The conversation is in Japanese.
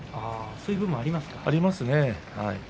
そういうことがありますか。